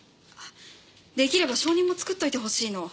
出来れば証人も作っといてほしいの。